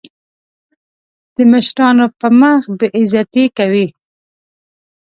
د مشرانو په مخ بې عزتي کوي.